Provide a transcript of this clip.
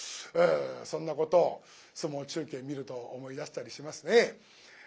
そんなことを相撲中継見ると思い出したりしますね。